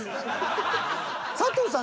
佐藤さん